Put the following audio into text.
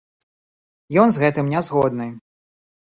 Ён з гэтым не згодны.